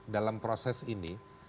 dalam proses ini